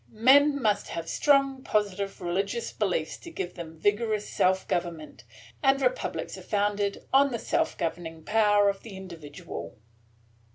"Men must have strong, positive religious beliefs to give them vigorous self government; and republics are founded on the self governing power of the individual."